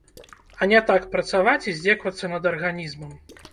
А не так працаваць і здзекавацца над арганізмам.